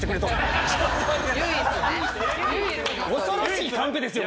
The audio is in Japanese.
恐ろしいカンペですよ